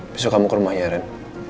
besok kamu ke rumah ya ren